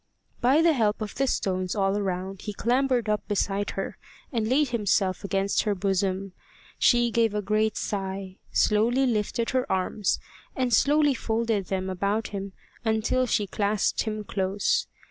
By the help of the stones all around he clambered up beside her, and laid himself against her bosom. She gave a great sigh, slowly lifted her arms, and slowly folded them about him, until she clasped him close.